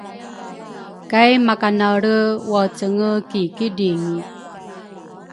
kay makanaelre waecenge ki kidringi.